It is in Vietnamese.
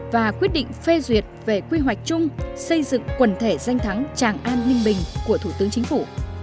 và quyết định phê duyệt về quy hoạch chung xây dựng quần thể danh thắng tràng an ninh bình của thủ tướng chính phủ